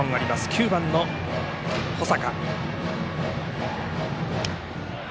９番の保坂。